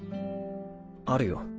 あるよ。